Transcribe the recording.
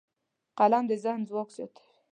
قلم د ذهن ځواک زیاتوي